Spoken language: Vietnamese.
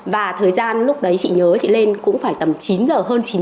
và thời gian lúc đấy chị nhớ chị lên cũng phải tầm chín giờ hơn chín giờ